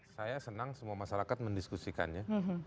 saya senang semua masyarakat mendiskusikannya